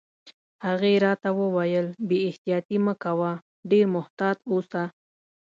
هغې راته وویل: بې احتیاطي مه کوه، ډېر محتاط اوسه.